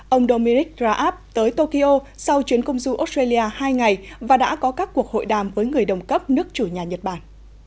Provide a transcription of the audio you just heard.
ông dominic raab tới tokyo sau chuyến công du australia hai ngày và đã có các cuộc hội đàm với người đồng cấp nước chủ nhà nhật bản